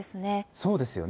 そうですよね。